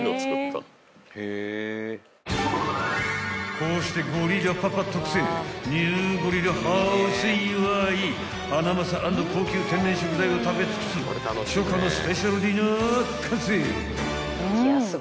［こうしてゴリラパパ特製ニューゴリラハウス祝いハナマサ＆高級天然食材を食べ尽くす初夏のスペシャルディナー完成］